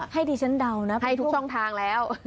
ให้ดิฉันเดานะไปทุกช่องทางแล้ว